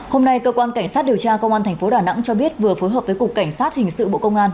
hôm nay cơ quan cảnh sát điều tra công an tp đà nẵng cho biết vừa phối hợp với cục cảnh sát hình sự bộ công an